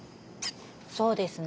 そうですね。